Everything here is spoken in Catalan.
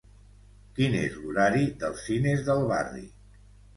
Quin és l'horari dels cines del barri